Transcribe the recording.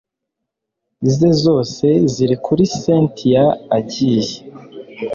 ze zose ziri kuri cyntia agiye